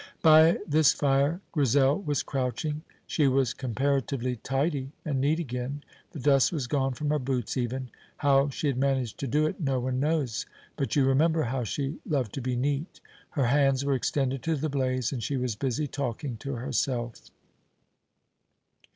By this fire Grizel was crouching. She was comparatively tidy and neat again; the dust was gone from her boots, even. How she had managed to do it no one knows, but you remember how she loved to be neat. Her hands were extended to the blaze, and she was busy talking to herself.